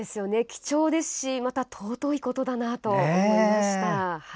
貴重ですし尊いことだなと思いました。